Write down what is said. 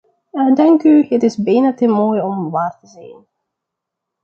Dank u, het is bijna te mooi om waar te zijn.